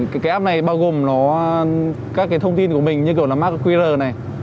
cái app này bao gồm các thông tin của mình như là mạc qr này